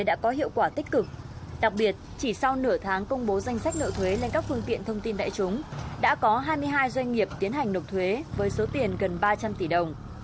đặc biệt chỉ sau nửa tháng công bố danh sách nợ thuế lên các phương tiện thông tin tại chúng đã có hai mươi hai doanh nghiệp tiến hành nộp thuế với số tiền gần ba trăm linh tỷ đồng